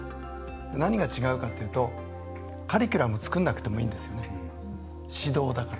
何が違うかというとカリキュラム、作らなくてもいいんですよね、指導だから。